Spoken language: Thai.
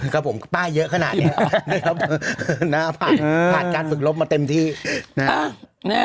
กระโปรงป้ายเยอะขนาดแน่